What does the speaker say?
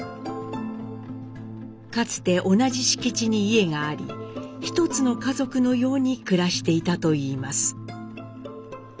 かつて同じ敷地に家があり１つの家族のように暮らしていたといいます。